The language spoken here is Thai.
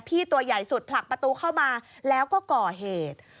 ตัวใหญ่สุดผลักประตูเข้ามาแล้วก็ก่อเหตุ